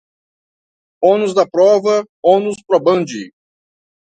ônus da prova, onus probandi